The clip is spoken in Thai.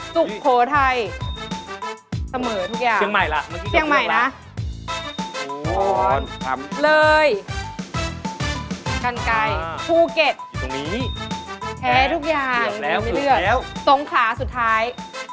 ภูเก็ตแท้ทุกอย่างมีเบื้อเบื้อตรงขาสุดท้ายกันไก่